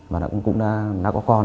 và cũng đã có con